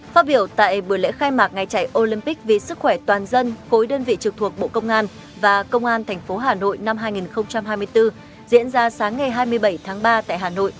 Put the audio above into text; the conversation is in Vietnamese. phát biểu tại buổi lễ khai mạc ngày chạy olympic vì sức khỏe toàn dân khối đơn vị trực thuộc bộ công an và công an tp hà nội năm hai nghìn hai mươi bốn diễn ra sáng ngày hai mươi bảy tháng ba tại hà nội